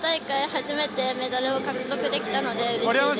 初めてメダルを獲得できたのでうれしいです。